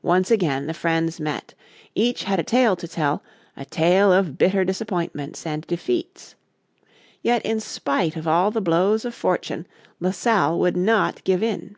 Once again the friends met. Each had a tale to tell, a tale of bitter disappointments and defeats. Yet in spite of all the blows of fortune Le Salle would not give in.